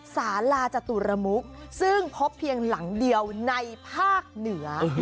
สาลาจตุรมุกซึ่งพบเพียงหลังเดียวในภาคเหนือ